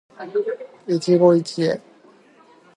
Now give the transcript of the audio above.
一期一会